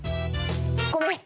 ごめん。